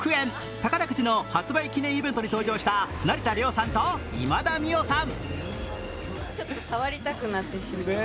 宝くじの発売記念イベントに登場した成田凌さんと今田美桜さん。